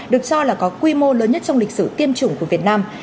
được cho là có quy mô lớn nhất trong lịch sử tiêm chủng của việt nam